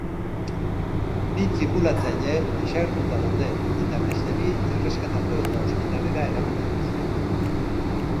Bi tripulatzaie desagertuta daude eta beste bi erreskatatu eta hospitalera eraman dituzte.